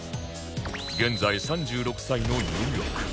現在３６歳のニューヨーク